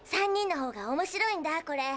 ３人のほうがおもしろいんだ。